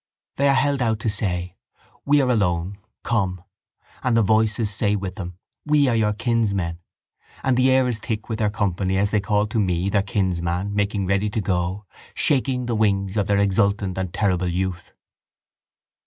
They are held out to say: We are alone—come. And the voices say with them: We are your kinsmen. And the air is thick with their company as they call to me, their kinsman, making ready to go, shaking the wings of their exultant and terrible youth.